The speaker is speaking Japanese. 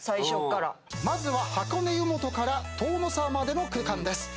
まずは箱根湯本から塔ノ沢までの区間です。